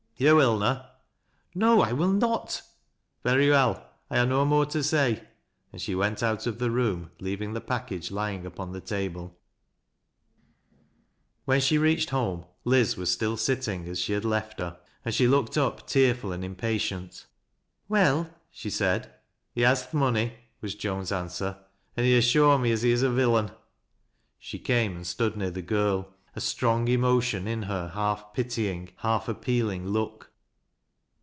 "Yo'willna?" "No, I will not." "Very well. I ha' no more to say,'' and she went oa' f the room, leaving the package lying upon the table 178 THAT LASS 0" LO WRISTS When she reached home, Liz was still sitling as she hac left her, and she looked up tearful and impatient "Well?" she said. " He has th' money," was Joan's answer, " an' he ha' shown me as he is a villain." ■* She came and stood near the gii'l, a strong emotion in _ her half pitying, half appealing look.